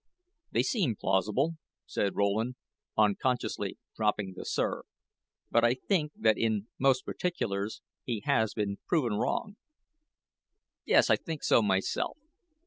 "They seem plausible," said Rowland, unconsciously dropping the "sir"; "but I think that in most particulars he has been proven wrong." "Yes, I think so myself.